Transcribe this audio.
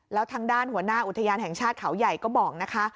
แล้วทางด้านหัวหน้าอุทยานแห่งชาติเขาใหญ่ก็บอกนะคะ